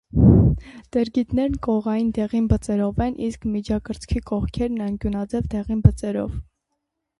Տերգիտները կողային դեղին բծերով են, իսկ միջնակրծքի կողքերն՝ անկյունաձև դեղին բծերով։